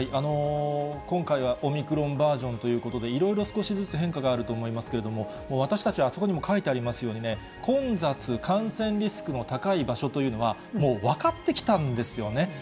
今回はオミクロンバージョンということで、いろいろ少しずつ変化があると思いますけれども、私たちはあそこにも書いてありますようにね、混雑、感染リスクの高い場所というのは、もう分かってきたんですよね、